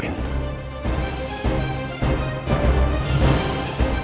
apa yang mau aku lakuin